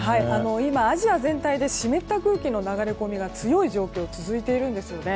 今、アジア全体で湿った空気の流れ込みが強い状況が続いているんですよね。